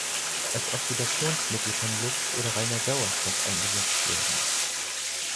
Als Oxidationsmittel kann Luft oder reiner Sauerstoff eingesetzt werden.